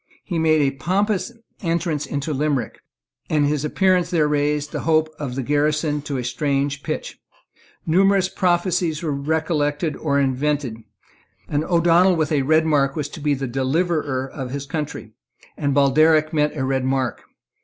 He made a pompous entrance into Limerick; and his appearance there raised the hopes of the garrison to a strange pitch. Numerous prophecies were recollected or invented. An O'Donnel with a red mark was to be the deliverer of his country; and Baldearg meant a red mark.